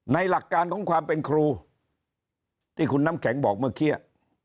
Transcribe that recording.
หลักการของความเป็นครูที่คุณน้ำแข็งบอกเมื่อกี้